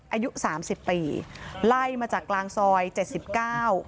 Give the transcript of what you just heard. อายุสามสิบปีไล่มาจากกลางซอยเจ็ดสิบเก้า